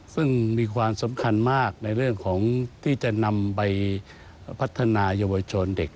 ซึ่งมีความสำคัญมากในเรื่องของที่จะนำไปพัฒนายาวชนเด็ก